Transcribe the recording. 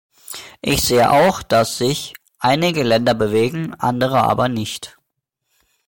Ich sehe auch, dass sich einige Länder bewegen, andere aber nicht.